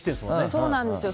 そうなんですよ。